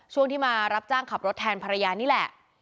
ช่วงที่มารับจ้างขับรถแทนภรรยานี่แหละ